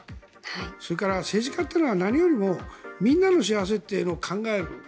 それから、政治家というのは何よりもみんなの幸せというのを考える。